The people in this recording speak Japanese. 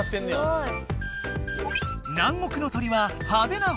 すごい。